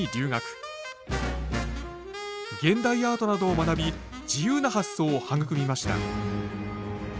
現代アートなどを学び自由な発想を育みました。